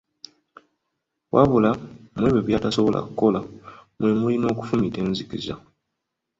Wabula, mu ebyo by’atasobola kukola mwe muli n’okufumita enzikiza.